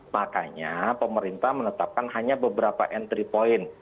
makanya pemerintah menetapkan hanya beberapa entry point